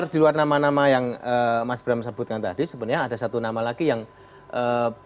di luar nama nama yang mas bram sebutkan tadi sebenarnya ada satu nama lagi yang ee